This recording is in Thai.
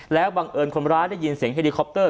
แล้วบังเอิญคนร้ายได้ยินเสียงเฮลิคอปเตอร์